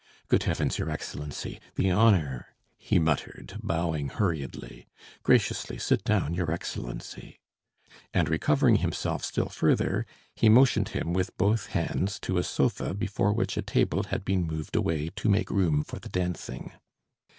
"Good heavens, your Excellency ... the honour...." he muttered, bowing hurriedly. "Graciously sit down, your Excellency...." And recovering himself still further, he motioned him with both hands to a sofa before which a table had been moved away to make room for the dancing.